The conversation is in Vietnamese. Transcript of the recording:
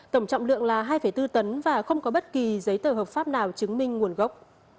tổng trọng lượng là hai bốn tấn và không có bất kỳ giấy tờ hợp pháp nào chứng minh nguồn gốc